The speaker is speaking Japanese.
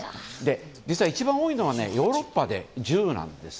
実は一番多いのはヨーロッパで１０なんです。